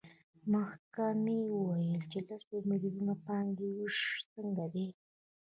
مخکې مو وویل چې له سل میلیونو پانګې وېش څنګه دی